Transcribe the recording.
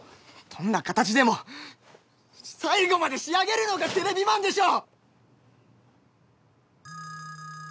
どんなかたちでも最後まで仕上げるのがテレビマンでしょ！